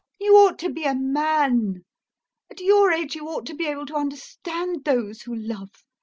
You ought to be a man, at your age you ought to be able to understand those who love.